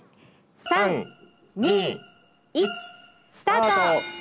３２１スタート！